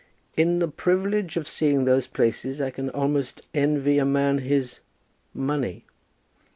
"In the privilege of seeing those places I can almost envy a man his money."